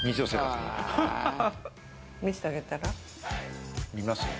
見せてあげたら？